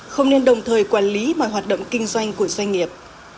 không nên đồng thời quản lý mọi hoạt động kinh doanh của doanh nghiệp